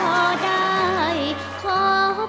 สมาธิพร้อม